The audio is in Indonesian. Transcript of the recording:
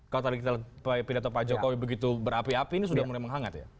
kalau tadi kita lihat pidato pak jokowi begitu berapi api ini sudah mulai menghangat ya